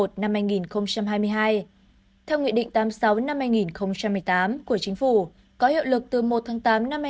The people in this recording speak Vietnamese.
theo nghị định tám mươi sáu năm hai nghìn một mươi tám của chính phủ có hiệu lực từ một tháng tám năm hai nghìn một mươi chín